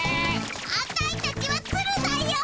アタイたちはツルだよ。